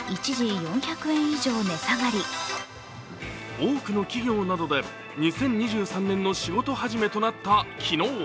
多くの企業などで２０２３年の仕事始めとなった昨日。